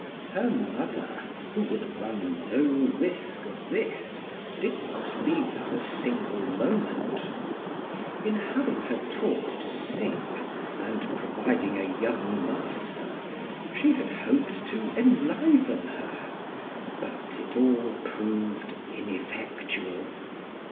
Her mother, who would run no risk of this, did not leave her a single moment. In having her taught to sing and providing a young master, she had hoped to enliven her, but it all proved ineffectual.